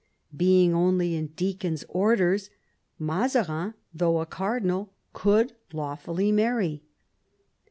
Being only in deacon's orders, Mazarin, though a cardinal, could lawfully marry.